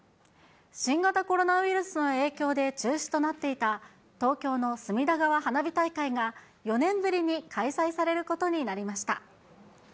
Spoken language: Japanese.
新型コロナウイルスの影響で中止となっていた、東京の隅田川花火大会が、４年ぶりに開催されることになりました。